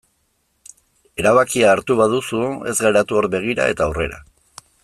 Erabakia hartu baduzu ez geratu hor begira eta aurrera.